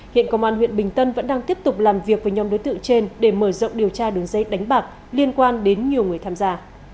hiện công an huyện bình tân vẫn đang tiếp tục làm việc với nhóm đối tượng trên để mở rộng điều tra đường dây đánh bạc liên quan đến nhiều người tham gia